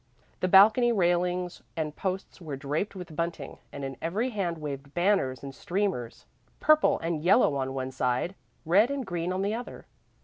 The balcony railings and posts were draped with bunting, and in every hand waved banners and streamers, purple and yellow on one side, red and green on the other.